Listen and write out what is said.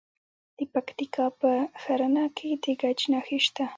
د پکتیکا په ښرنه کې د ګچ نښې شته.